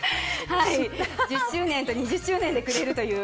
１０周年と２０周年でくれるという。